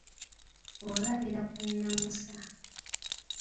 Olabira ku nnamusa.